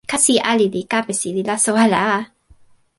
kasi ali li kapesi li laso ala a!